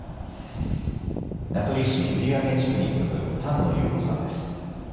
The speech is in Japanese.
名取市閖上地区に住む丹野祐子さんです。